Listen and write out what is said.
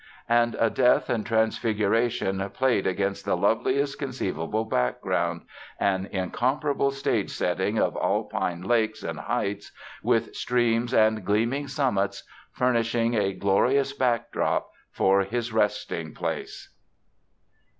And a death and transfiguration played against the loveliest conceivable background—an incomparable stage setting of Alpine lakes and heights, with streams and gleaming summits furnishing a glorious backdrop for his resting place!